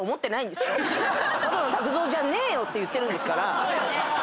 角野卓造じゃねえよ！って言ってるんですから。